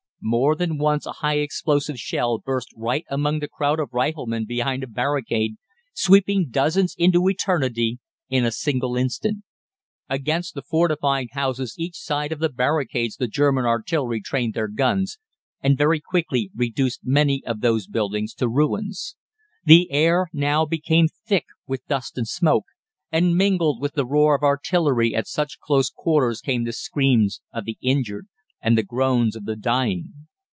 More than once a high explosive shell burst right among the crowd of riflemen behind a barricade, sweeping dozens into eternity in a single instant. Against the fortified houses each side of the barricades the German artillery trained their guns, and very quickly reduced many of those buildings to ruins. The air now became thick with dust and smoke; and mingled with the roar of artillery at such close quarters came the screams of the injured and the groans of the dying.